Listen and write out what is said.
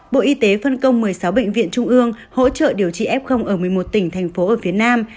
bộ y tế phân công một mươi sáu bệnh viện trung ương hỗ trợ điều trị f ở một mươi một tỉnh thành phố ở phía nam